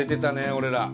俺ら。